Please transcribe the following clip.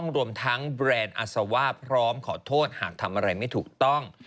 รวมทั้งแบรนด์อาซาว่าพร้อมขอโทษหากทำอะไรไม่ถูกต้อง